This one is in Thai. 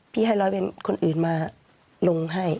พี่ให้ร้อยเป็นคนอื่นมาลงให้